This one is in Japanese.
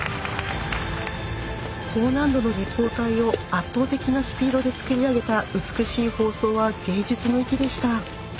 高難度の立方体を圧倒的なスピードで作り上げた美しい包装は芸術の域でした！